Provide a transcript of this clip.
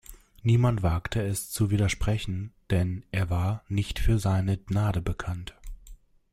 Niemand wagte es zu widersprechen, denn er war nicht für seine Gnade bekannt.